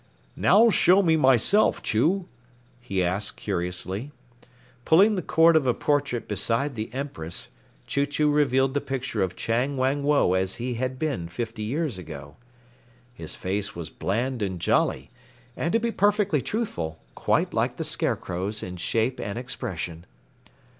"Now show me myself, Chew," he asked curiously. Pulling the cord of a portrait beside the Empress, Chew Chew revealed the picture of Chang Wang Woe as he had been fifty years ago. His face was bland and jolly, and to be perfectly truthful, quite like the Scarecrow's in shape and expression.